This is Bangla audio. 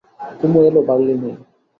কুমু এল বার্লি নিয়ে।